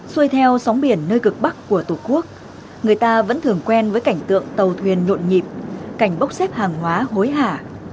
xuôi theo sóng biển nơi cực bắc của tổ quốc người ta vẫn thường quen với cảnh tượng tàu thuyền nhộn nhịp cảnh bốc xếp hàng hóa hối hả